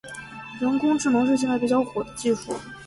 人工智能是现在比较火的技术。